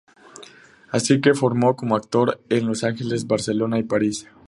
Así que se formó como actor en Los Ángeles, Barcelona y París.